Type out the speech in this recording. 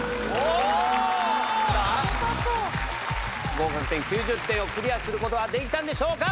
合格点９０点をクリアすることはできたんでしょうか？